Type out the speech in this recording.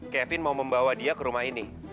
kevin mau membawa dia ke rumah ini